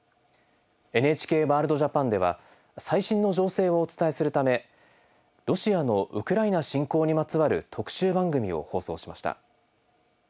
「ＮＨＫワールドＪＡＰＡＮ」では最新の情勢をお伝えするためロシアのウクライナ侵攻にまつわる特集番組を放送しました。